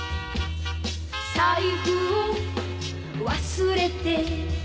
「財布を忘れて」